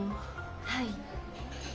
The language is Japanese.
はい。